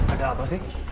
ada apa sih